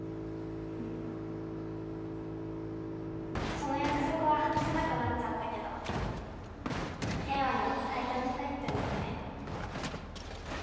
その約束は果たせなくなっちゃったけど景和には伝えておきたいって思って。